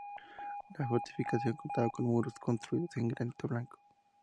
La fortificación contaba con muros construidos en granito blanco.